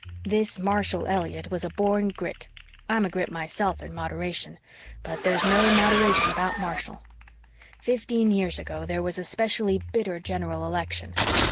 This Marshall Elliott was born a Grit. I'm a Grit myself in moderation, but there's no moderation about Marshall. Fifteen years ago there was a specially bitter general election.